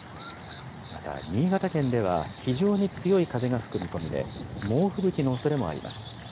また新潟県では非常に強い風が吹く見込みで、猛吹雪のおそれもあります。